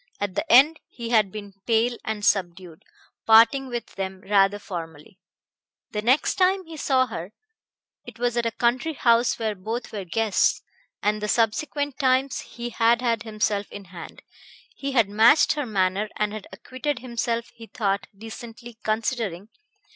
At the end he had been pale and subdued, parting with them rather formally. The next time he saw her it was at a country house where both were guests and the subsequent times, he had had himself in hand. He had matched her manner and had acquitted himself, he thought, decently, considering